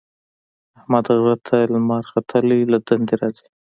احمد غره ته لمر ختلی له دندې ارځي.